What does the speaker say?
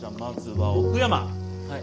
はい。